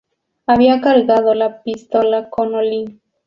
Había cargado la pistola con hollín.